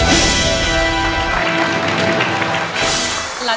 อินโทรมาเลยครับ